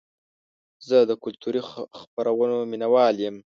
زه د کلتوري خپرونو مینهوال یم.